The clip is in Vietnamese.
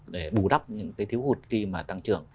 để bù đắp những cái thiếu hụt khi mà tăng trưởng